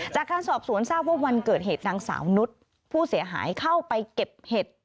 จากการสอบสวนทราบว่าวันเกิดเหตุนางสาวนุษย์ผู้เสียหายเข้าไปเก็บเห็ด